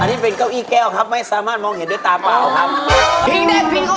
อันนี้เป็นเก้าอี้แก้วครับไม่สามารถมองเห็นด้วยตาเปล่าครับ